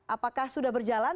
apakah sudah berjalan